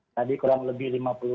tadi kurang lebih